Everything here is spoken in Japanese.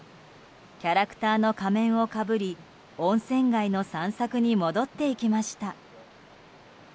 キャラクターの仮面をかぶり温泉街の散策に戻っていきました。